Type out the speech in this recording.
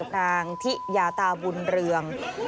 กับนางที่ยาตาบุญเรือง